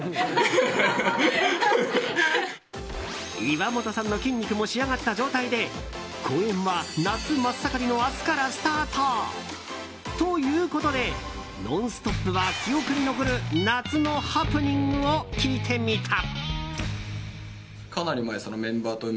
岩本さんの筋肉も仕上がった状態で公演は夏真っ盛りの明日からスタート！ということで「ノンストップ！」は記憶に残る夏のハプニングを聞いてみた。